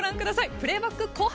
プレーバック「紅白」。